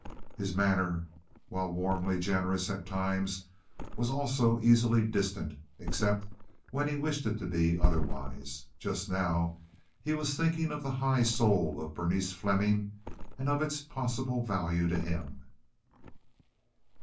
His manner, while warmly generous at times, was also easily distant, except when he wished it to be otherwise. Just now he was thinking of the high soul of Berenice Fleming and of its possible value to him.